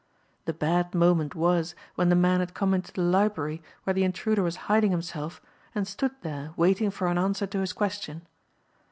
The bad moment was when the man had come into the library where the intruder was hiding himself and stood there waiting for an answer to his question.